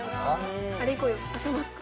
あれ行こうよ朝マック。